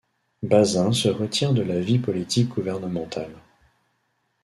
Bazin se retire de la vie politique gouvernementale.